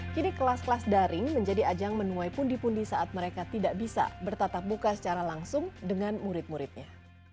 kini kelas kelas daring menjadi ajang menuai pundi pundi saat mereka tidak bisa bertatap muka secara langsung dengan murid muridnya